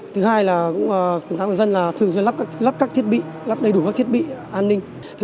thứ hai là cũng khuyến cáo người dân thường xuyên lắp các thiết bị lắp đầy đủ các thiết bị an ninh